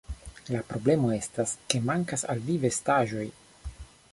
La problemo estas, ke mankas al vi vestaĵoj